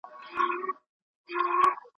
ماشوم به څرنګه سړه شپه تر سهاره یوسی